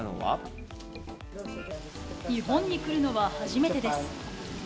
日本に来るのは初めてです。